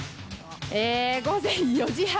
えー、午前４時半。